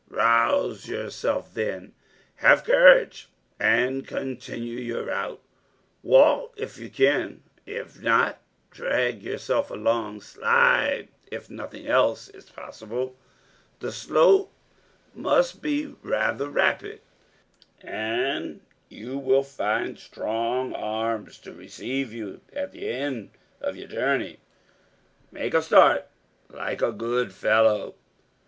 Rouse yourself, then, have courage and continue your route. Walk if you can, if not drag yourself along slide, if nothing else is possible. The slope must be rather rapid and you will find strong arms to receive you at the end of your journey. Make a start, like a good fellow."